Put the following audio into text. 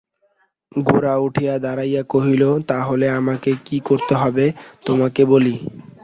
গোরা উঠিয়া দাঁড়াইয়া কহিল, তা হলে আমাকে কী করতে হবে তোমাকে বলি।